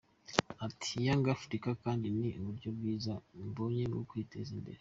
Ati “Yunga Afurika kandi ni uburyo bwiza mbonye bwo kwiteza imbere.